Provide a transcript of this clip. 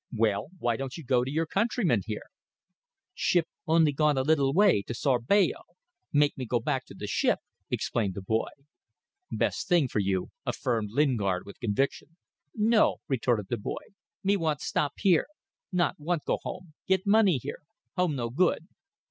Well, why don't you go to your countrymen here?" "Ship gone only a little way to Sourabaya. Make me go back to the ship," explained the boy. "Best thing for you," affirmed Lingard with conviction. "No," retorted the boy; "me want stop here; not want go home. Get money here; home no good."